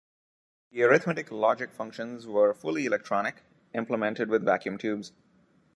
The arithmetic logic functions were fully electronic, implemented with vacuum tubes.